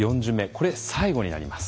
これ最後になります。